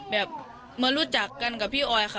แบบมารู้จักกันกับพี่ออยค่ะ